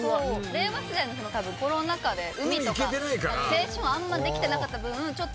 令和世代コロナ禍で海とか青春あんまできてなかった分ちょっと何だろう